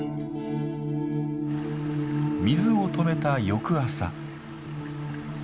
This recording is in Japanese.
水を止めた翌朝。